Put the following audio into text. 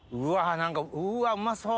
何かうわうまそう。